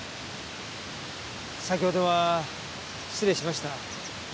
先ほどは失礼しました。